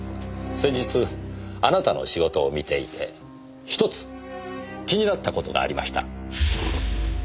先日あなたの仕事を見ていてひとつ気になった事がありました。